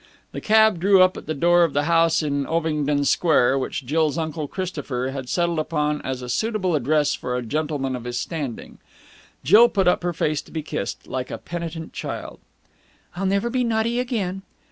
The cab drew up at the door of the house in Ovingdon Square which Jill's Uncle Christopher had settled upon as a suitable address for a gentleman of his standing. Jill put up her face to be kissed, like a penitent child. "I'll never be naughty again!"